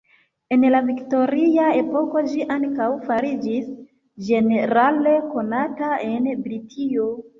En la viktoria epoko ĝi ankaŭ fariĝis ĝenerale konata en Britio.